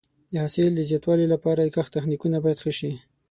د حاصل د زیاتوالي لپاره د کښت تخنیکونه باید ښه شي.